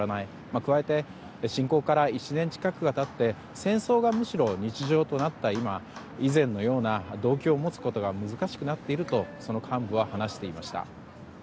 加えて、侵攻から１年近くが経って戦争がむしろ日常となった今以前のような動機を持つことが難しくなっていると幹部は話していました。